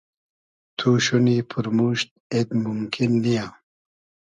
تو شونی پورموشت اید مومکین نییۂ